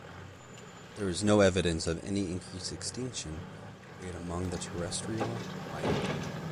There is no evidence of any increased extinction rate among the terrestrial biota.